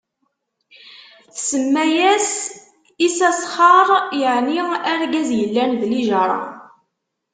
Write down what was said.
Tsemma-as Isasxaṛ, yeɛni argaz yellan d lijaṛa.